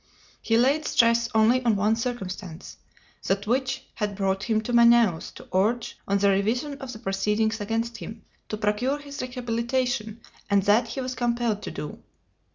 He laid stress only on one circumstance that which had brought him to Manaos to urge on the revision of the proceedings against him, to procure his rehabilitation and that he was compelled to do.